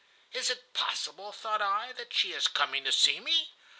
'Is it possible,' thought I, 'that she is coming to see me?